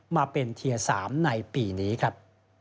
มาเป็นเทียร์๓ในปีนี้ครับ